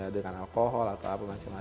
dengan alkohol atau apa masalahnya